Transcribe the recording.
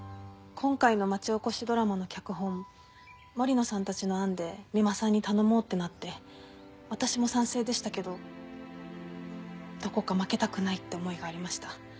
今回の町おこしドラマの脚本森野さんたちの案で三馬さんに頼もうってなって私も賛成でしたけどどこか負けたくないって思いがありました。